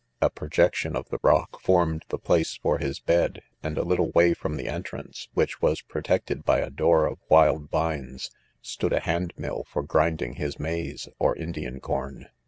A projection of the rock formed the place for his bed; and a little way from the entrance, which was protected by a door of wild vines, stood a hand mill for grinding his maize or Indian corn.